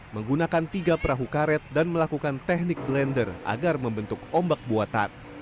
menggunakan tiga perahu karet dan melakukan teknik blender agar membentuk ombak buatan